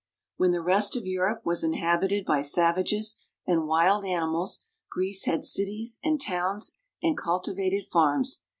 When the rest of Europe was inhabited by savages and wild animals, Greece had cities and towns and cultivated farms.